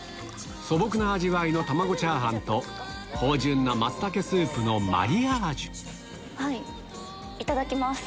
素朴な味わいの卵チャーハンと芳醇なマツタケスープのマリアージュいただきます。